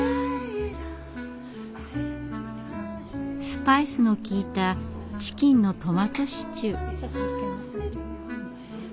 スパイスの効いたチキンのトマトシチュー。